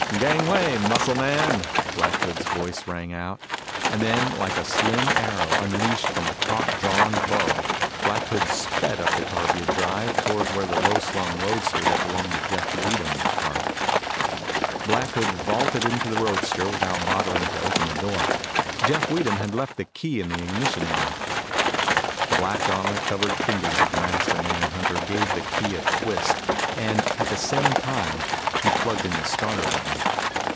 "Gangway, muscle man!" Black Hood's voice rang out, and then like a slim arrow unleashed from a taut drawn bow Black Hood sped up the tarvia drive toward where the low slung roadster that belonged to Jeff Weedham was parked. Black Hood vaulted into the roadster without bothering to open the door. Jeff Weedham had left the key in the ignition lock. The black gauntlet covered fingers of the master manhunter gave the key a twist and at the same time he plugged in the starter button.